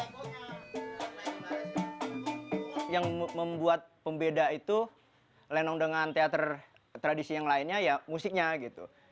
yang membuat pembeda itu lenong dengan teater tradisi yang lainnya ya musiknya gitu